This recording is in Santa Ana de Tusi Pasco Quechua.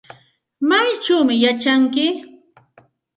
¿Maychawmi yachanki?